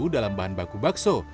es batu dalam bahan baku bakso